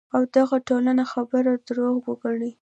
او دغه ټوله خبره دروغ وګڼی -